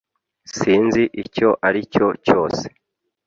Sinzi icyo aricyo cyose